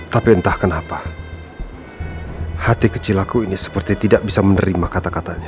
tapi entah kenapa hati kecil aku ini seperti tidak bisa menerima kata katanya